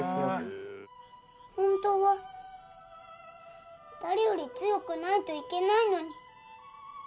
本当は誰より強くないといけないのに。